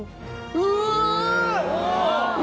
うわ！